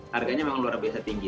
harganya memang luar biasa tinggi